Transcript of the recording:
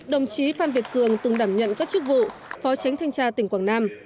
đồng chí phan việt cường từng đảm nhận các chức vụ phó tránh thanh tra tỉnh quảng nam